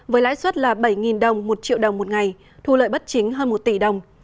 với lãi suất là bảy đồng một triệu đồng một ngày thu lợi bất chính hơn một tỷ đồng